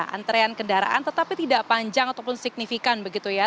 antrean kendaraan tetapi tidak panjang ataupun signifikan begitu ya